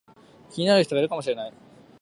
気になる人がいるかもしれない